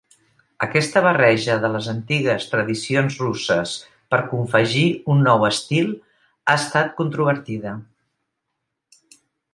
Aquesta barreja de les antigues tradicions russes per confegir un nou estil ha estat controvertida.